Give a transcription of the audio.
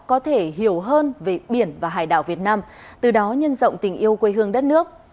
có thể hiểu hơn về biển và hải đảo việt nam từ đó nhân rộng tình yêu quê hương đất nước